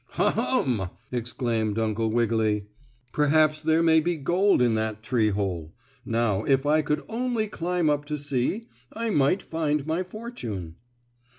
"Ha, hum!" exclaimed Uncle Wiggily, "perhaps there may be gold in that tree hole. Now if I could only climb up to see, I might find my fortune."